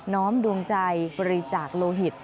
้อมดวงใจบริจาคโลหิต